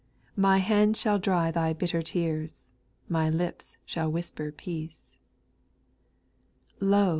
My hands shall dry thy bitter tears, My lips shall whisper peace. 2. " Lo